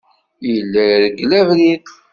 Yella ireggel abrid.